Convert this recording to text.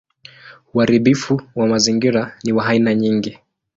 Uharibifu wa mazingira ni wa aina nyingi.